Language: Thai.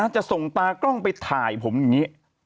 จะส่งตากล้องไปถ่ายผมอย่างนี้